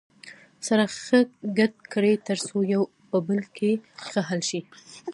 سره ښه ګډ کړئ تر څو یو په بل کې ښه حل شي.